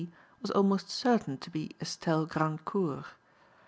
was almost certain to be Estelle Grandcourt.